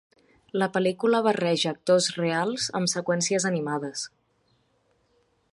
La pel·lícula barreja actors reals amb seqüències animades.